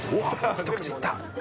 一口いった。